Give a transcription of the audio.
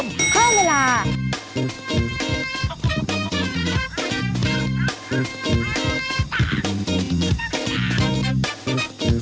นี่นี่